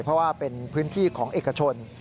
เพราะว่าเป็นพื้นที่ของเอกชน